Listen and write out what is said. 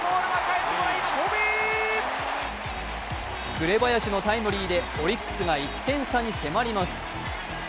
紅林のタイムリーでオリックスが１点差に迫ります。